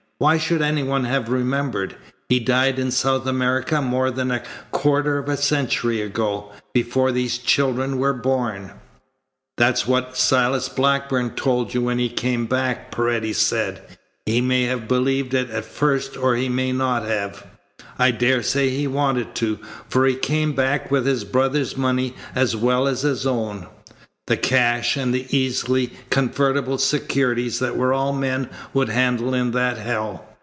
Why should any one have remembered? He died in South America more than a quarter of a century ago, before these children were born." "That's what Silas Blackburn told you when he came back," Paredes said. "He may have believed it at first or he may not have. I daresay he wanted to, for he came back with his brother's money as well as his own the cash and the easily convertible securities that were all men would handle in that hell.